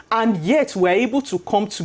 dan tetapi kita bisa berkumpul